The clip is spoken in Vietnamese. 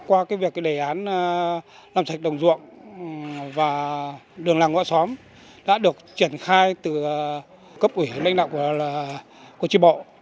qua cái việc cái đề án làm sạch đồng ruộng và đường làng ngõ xóm đã được triển khai từ cấp ủy hành lãnh đạo của tri bộ